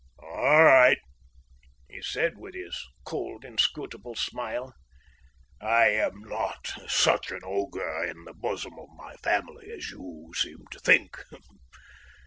"All right," he said, with his cold, inscrutable smile. "I am not such an ogre in the bosom of my family as you seem to think.